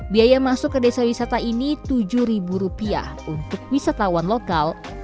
biaya masuk ke desa wisata ini rp tujuh untuk wisatawan lokal